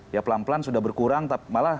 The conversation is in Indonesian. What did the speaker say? ya pelan pelan sudah berkurang malah